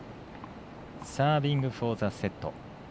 サービングフォーザセット。